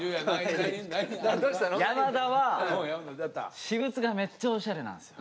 山田は私物がめっちゃオシャレなんすよ。